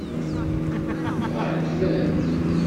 Bɣant-ten?